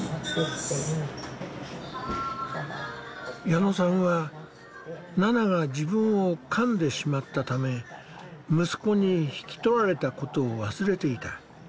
矢野さんはナナが自分をかんでしまったため息子に引き取られたことを忘れていた。